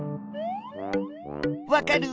わかる？